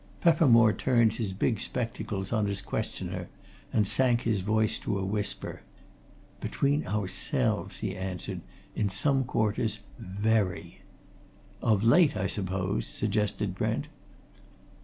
Peppermore turned his big spectacles on his questioner and sank his voice to a whisper. "Between ourselves," he answered, "in some quarters very!" "Of late, I suppose?" suggested Brent.